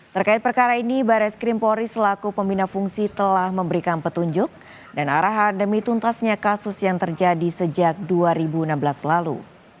terkait perkara ini baris krimpori selaku pembina fungsi telah memberikan petunjuk dan arahan demi tuntasnya kasus yang terjadi sejak dua ribu enam belas lalu